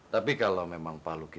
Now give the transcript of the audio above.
tapi kalau memang pak lucky